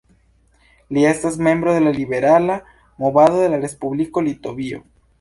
Li estas membro de la Liberala Movado de la Respubliko Litovio.